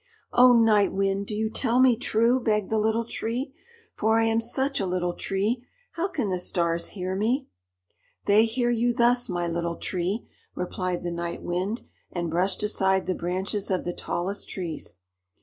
"Oh, Night Wind, do you tell me true?" begged the Little Tree. "For I am such a little tree, how can the Stars hear me?" "They hear you thus, my Little Tree," replied the Night Wind, and brushed aside the branches of the tallest trees.